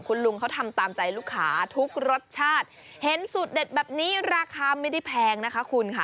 คุณลุงเขาทำตามใจลูกค้าทุกรสชาติเห็นสูตรเด็ดแบบนี้ราคาไม่ได้แพงนะคะคุณค่ะ